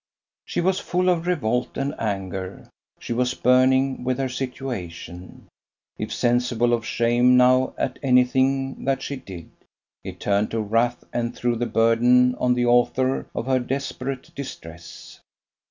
She was full of revolt and anger, she was burning with her situation; if sensible of shame now at anything that she did, it turned to wrath and threw the burden on the author of her desperate distress.